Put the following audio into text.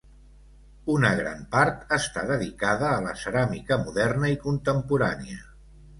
Una gran part està dedicada a la ceràmica moderna i contemporània.